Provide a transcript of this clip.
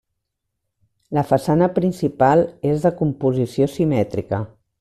La façana principal és de composició simètrica.